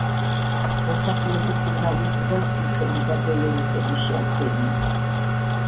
მოსახლეობის უმრავლესობას რუსები და ბელორუსები შეადგენენ.